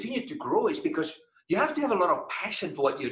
anda harus memiliki banyak kebayaan untuk apa yang anda lakukan